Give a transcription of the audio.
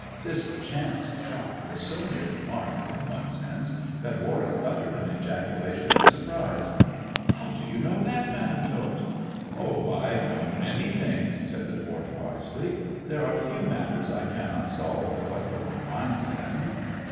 This chance shot was so near the mark, in one sense, that Warwick uttered an ejaculation of surprise. " How do you know that, Madam Tot 1 "" Oh, I know many things," said the dwarf wisely. " There are few matters I cannot solve if I put my mind to them."